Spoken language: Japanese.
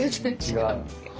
違う。